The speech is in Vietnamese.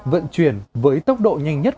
vận chuyển với tốc độ nhanh nhất